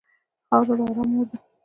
خاوره د ارام مور ده.